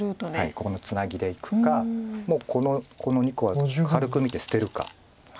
ここのツナギでいくかもうこの２個は軽く見て捨てるか。